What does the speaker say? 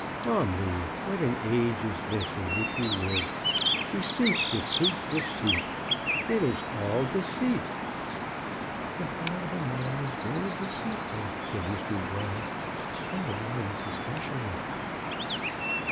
Ah me, what an age is this in which we live! Deceit, deceit, deceit; it is all deceit!" "The heart of a man is very deceitful," said Mr. Brown. "And a woman's especially."